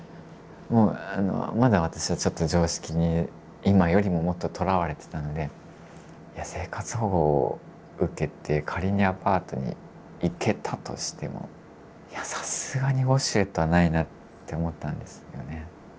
まだ私はちょっと常識に今よりももっととらわれてたので生活保護を受けて仮にアパートに行けたとしてもいやさすがにウォシュレットはないなって思ったんですよね。